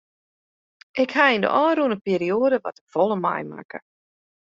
Ik ha yn de ôfrûne perioade wat te folle meimakke.